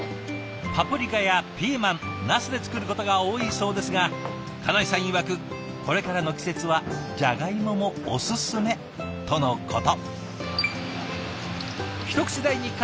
パプリカやピーマンなすで作ることが多いそうですが金井さんいわくこれからの季節はジャガイモもおすすめとのこと。